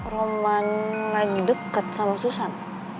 roman lagi deket sama susan